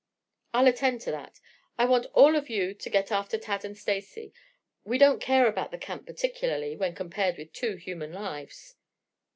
"I'll attend to that. I want all of you to get after Tad and Stacy. We don't care about the camp particularly, when compared with two human lives."